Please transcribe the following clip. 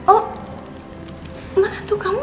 oh menantu kamu